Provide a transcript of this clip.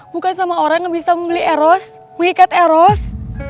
bukan sama orang yang bisa membeli eros mengikat eros